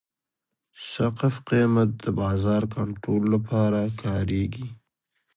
سقف قیمت د بازار کنټرول لپاره کارېږي.